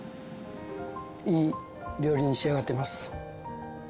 いい料理に仕上がっています。